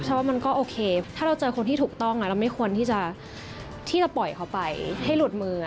ว่ามันก็โอเคถ้าเราเจอคนที่ถูกต้องเราไม่ควรที่จะปล่อยเขาไปให้หลุดมือ